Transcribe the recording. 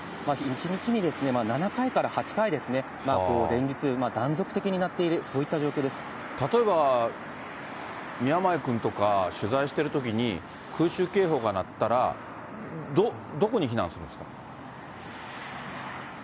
１日に７回から８回ですね、連日、断続的に鳴っている、例えば、宮前君とか取材しているときに、空襲警報が鳴ったら、どこに避難するんですか？